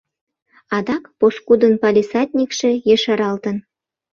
Адак пошкудын палисадникше ешаралтын.